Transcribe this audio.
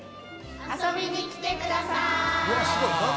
遊びに来てください！